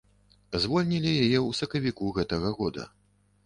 Звольнілі яе ў сакавіку гэтага года.